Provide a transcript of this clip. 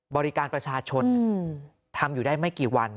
บริการประชาชนทำอยู่ได้ไม่กี่วัน